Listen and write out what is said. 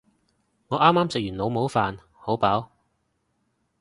我啱啱食完老母飯，好飽